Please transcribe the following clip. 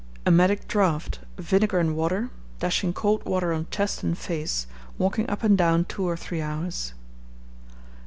Emetic Draught, Vinegar and Water, Laudanum....................... dashing Cold Water on chest and face, walking up and down two or three hours.